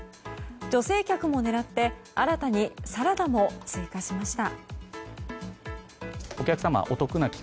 女性客も狙って新たにサラダも追加しました。